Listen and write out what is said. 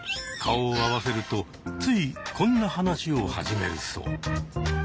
顔を合わせるとついこんな話を始めるそう。